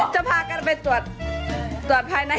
จะพากันไปตรวจตรวจภายใน